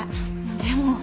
でも。